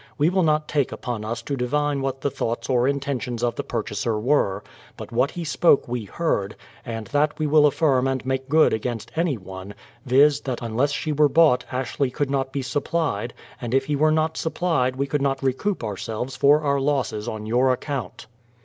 We will not take upon us to divine what the thoughts or intentions of the purchaser were ; but what he spoke we heard, and that we will affirm and make good against anyone, viz., that unless she were bought Ashley could not be supplied, and if he were not supplied we could not recoup ourselves for our losses on your account.